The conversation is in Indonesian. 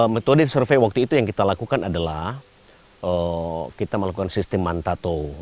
metode survei waktu itu yang kita lakukan adalah kita melakukan sistem mantato